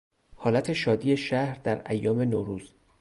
حالت شادی شهر در ایام نوروز